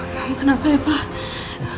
kamu kenapa ya pak